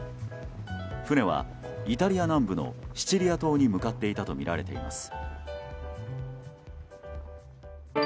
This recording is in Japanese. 船はイタリア南部のシチリア島に向かっていたとみられています。